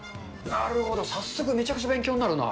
なるほど、早速めちゃくちゃ勉強になるな。